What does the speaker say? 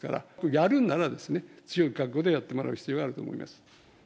やるなら、強い覚悟でやってもらう必要があると思います。